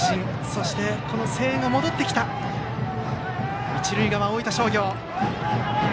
そして、声援が戻ってきた一塁側、大分商業。